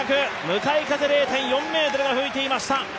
向かい風０．４メートルが吹いていました。